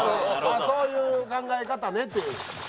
そういう考え方ねっていう。